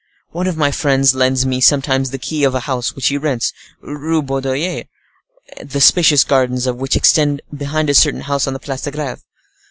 "One of my friends lends me sometimes the keys of a house which he rents, Rue Baudoyer, the spacious gardens of which extend behind a certain house on the Place de Greve."